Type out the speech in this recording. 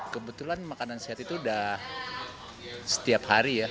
kebetulan makanan sehat itu udah setiap hari ya